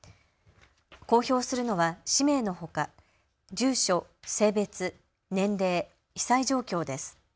公表するのは氏名のほか住所、性別、年齢、被災状況です。